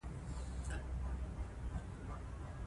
او بيا وائې چې د همېشه نۀ دے